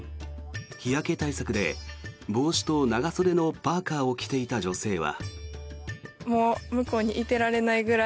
日焼け対策で帽子と長袖のパーカを着ていた女性は。